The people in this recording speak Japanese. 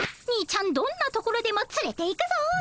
にいちゃんどんなところでもつれていくぞ。